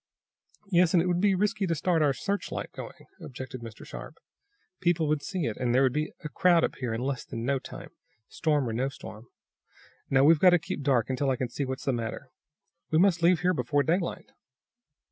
"Yes, and it would be risky to start our searchlight going," objected Mr. Sharp. "People would see it, and there'd be a crowd up here in less than no time, storm or no storm. No, we've got to keep dark until I can see what's the matter. We must leave here before daylight."